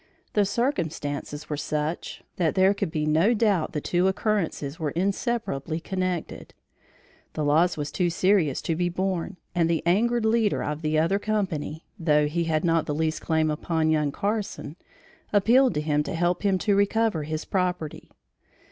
The circumstances were such that there could be no doubt the two occurrences were inseparably connected. The loss was too serious to be borne, and the angered leader of the other company (though he had not the least claim upon young Carson), appealed to him to help him to recover his property.